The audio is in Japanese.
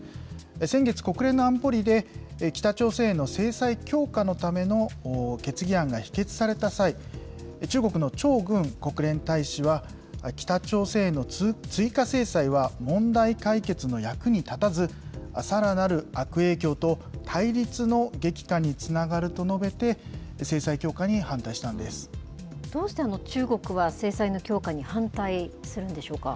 先月、国連の安保理で、北朝鮮への制裁強化のための決議案が否決された際、中国の張軍国連大使は、北朝鮮への追加制裁は問題解決の役に立たず、さらなる悪影響と対立の激化につながると述べて、どうして中国は、制裁の強化に反対するんでしょうか。